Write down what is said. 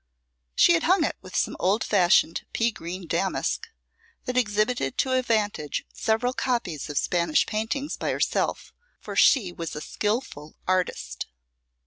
She had hung it with some old fashioned pea green damask, that exhibited to a vantage several copies of Spanish paintings by herself, for she was a skilful artist.